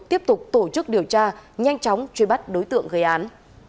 tiếp tục tổ chức điều tra nhanh chóng truy bắt đối tượng gây án